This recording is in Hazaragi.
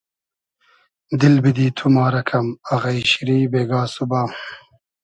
دیل بیدی تو ما رۂ کئم آغݷ شیری بېگا سوبا